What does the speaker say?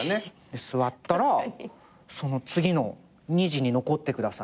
で座ったらその次の「二次に残ってください」